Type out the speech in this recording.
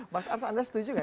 mas ars anda setuju nggak